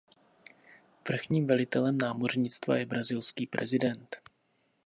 Vrchním velitelem námořnictva je brazilský prezident.